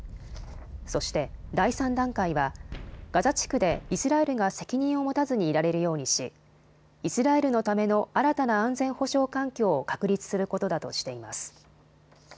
そして第３段階はガザ地区でイスラエルが責任を持たずにいられるようにしイスラエルのための新たな安全保障環境を確立することだとしています。